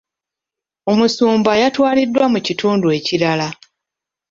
Omusumba yatwaliddwa mu kitundu ekirala.